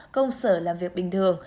công sở làm việc bình thường